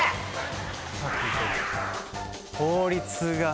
「法律が」